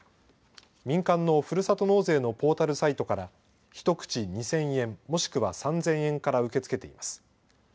民間のふるさと納税のポータルサイトから１口２０００円、もしくは３０００円から受け付けています。